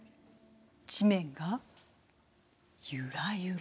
地面がゆらゆら。